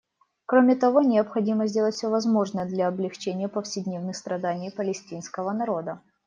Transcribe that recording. Кроме того, необходимо сделать все возможное для облегчения повседневных страданий палестинского народа.